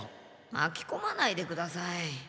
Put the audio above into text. まきこまないでください。